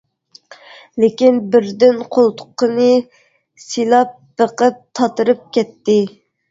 لېكىن بىردىن قولتۇقىنى سىيلاپ بېقىپ تاتىرىپ كەتتى.